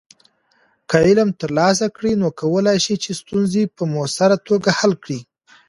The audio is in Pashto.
که علم ترلاسه کړې، نو کولی شې چې ستونزې په مؤثره توګه حل کړې.